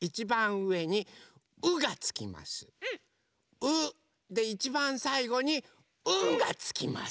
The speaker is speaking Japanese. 「う」でいちばんさいごに「ん」がつきます。